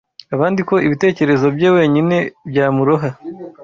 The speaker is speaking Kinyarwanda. abandi ko ibitekerezo bye wenyine byamuroha